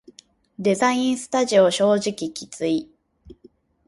デザインスタジオ正直きつい